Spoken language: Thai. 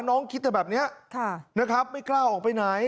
น้องคิดแต่แบบนี้นะครับไม่กล้าออกไปไหน